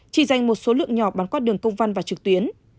chỉ dành một số lượng nhỏ bán qua đường công văn và trực tuyến